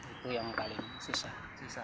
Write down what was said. itu yang paling susah